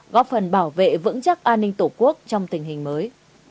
góp phần bảo vệ vững chắc an ninh tổ quốc trong tình hình mới